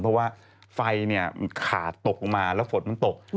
เพราะว่าไฟเนี่ยขาตกมาแล้วฝนตก